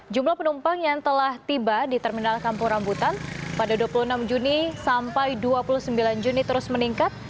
jumlah penumpang yang telah tiba di terminal kampung rambutan pada dua puluh enam juni sampai dua puluh sembilan juni terus meningkat